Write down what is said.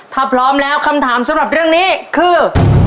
ถ้าพร้อมแล้วคำถามสำหรับเรื่องนี้คือ